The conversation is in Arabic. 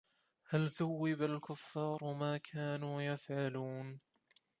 هَل ثُوِّبَ الكُفّارُ ما كانوا يَفعَلونَ